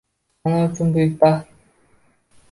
Ona uchun buyuk baxt